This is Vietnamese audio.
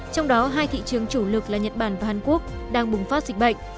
trong đó hai thị trường chủ lực là nhật bản và hàn quốc đang bùng phát dịch bệnh